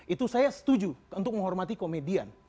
itu saya setuju untuk menghormati komedian